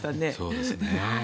そうですね。